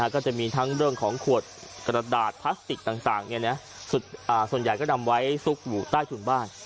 ก็จะมีทั้งเรื่องของขวดกระดาษพลาสติกต่างส่วนใหญ่ก็นำไว้ซุกอยู่ใต้ถุนบ้าน